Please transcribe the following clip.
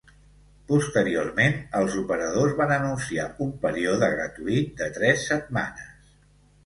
Posteriorment, els operadors van anunciar un període gratuït de tres setmanes.